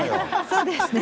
そうですね。